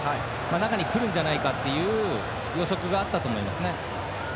中に来るんじゃないかという予測があったと思います。